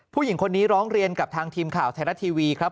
ผู้หญิงคนนี้ร้องเรียนกับทางทีมข่าวไทยรัฐทีวีครับ